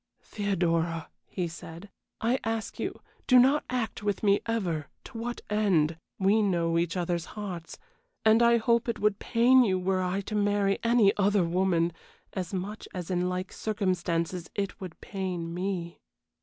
"Theodora," he said, "I ask you do not act with me ever to what end? We know each other's hearts, and I hope it would pain you were I to marry any other woman, as much as in like circumstances it would pain me."